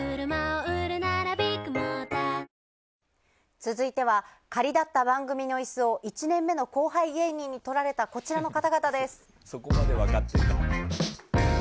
続いては仮だった番組の椅子を１年目の後輩芸人にとられたこちらの方々です。